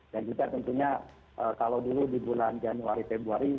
dan juga tentunya kalau dulu di bulan januari februari